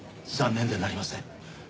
残念でなりません。